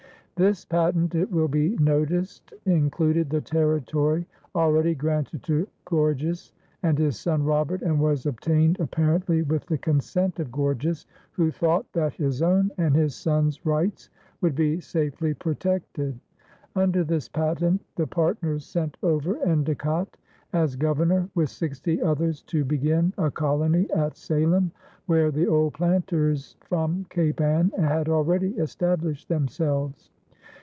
This patent, it will be noticed, included the territory already granted to Gorges and his son Robert, and was obtained apparently with the consent of Gorges, who thought that his own and his son's rights would be safely protected. Under this patent, the partners sent over Endecott as governor with sixty others to begin a colony at Salem, where the "old planters" from Cape Ann had already established themselves.